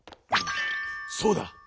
そうだ。